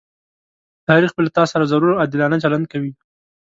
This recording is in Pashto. تاريخ به له تاسره ضرور عادلانه چلند کوي.